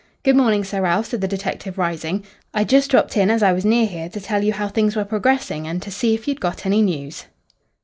"Good morning, Sir Ralph," said the detective, rising. "I just dropped in as I was near here to tell you how things were progressing, and to see if you'd got any news."